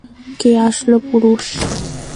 কে আসল পুরুষ?